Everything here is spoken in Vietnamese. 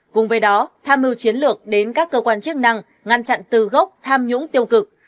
cùng với đó tham mưu chiến lược đến các cơ quan chức năng ngăn chặn từ gốc tham nhũng tiêu cực